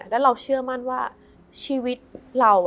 แล้วเราเชื่อมั่นว่าชีวิตเรา